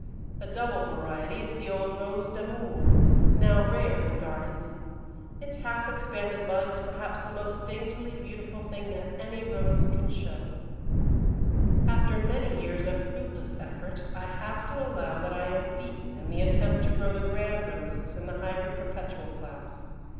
The double variety is the old Rose d'amour, now rare in gardens; its half expanded bud is perhaps the most daintily beautiful thing that any Rose can show. [Illustration: DOUBLE WHITE SCOTCH BRIAR.] After many years of fruitless effort I have to allow that I am beaten in the attempt to grow the Grand Roses in the Hybrid Perpetual class.